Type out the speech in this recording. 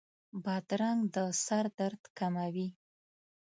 بادرنګ د سر درد کموي.